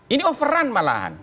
ini overrun malahan